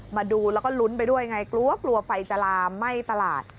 มาดูแล้วก็ลุ้นไปด้วยไงกลัวกลัวไฟจะลามไหม้ตลาด